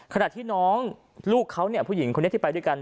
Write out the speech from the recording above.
ขณะที่น้องลูกเขาเนี่ยผู้หญิงคนนี้ที่ไปด้วยกัน